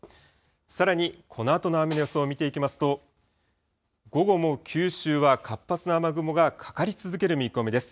さらにこのあとの雨の予想を見ていきますと、午後も九州は活発な雨雲がかかり続ける見込みです。